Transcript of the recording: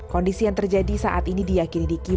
kondisi yang terjadi saat ini diakini diki